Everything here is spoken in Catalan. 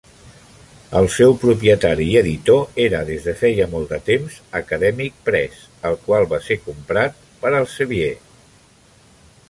El seu propietari i editor era des de feia molt de temps Academic Press, el qual va ser comprat per Elsevier.